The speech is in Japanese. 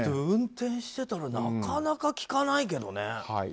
運転してたらなかなか聞かないけどね。